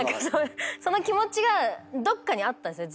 その気持ちがどっかにあったんですね